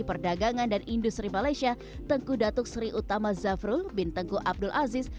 perdagangan dan industri malaysia tengku datuk sri utama zafrul bin tengku abdul aziz